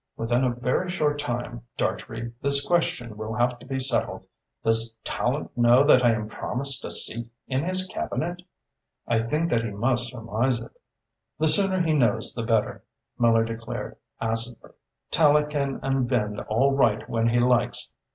"Within a very short time, Dartrey, this question will have to be settled. Does Tallente know that I am promised a seat in his Cabinet?" "I think that he must surmise it." "The sooner he knows, the better," Miller declared acidly. "Tallente can unbend all right when he likes.